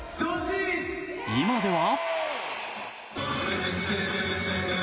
今では。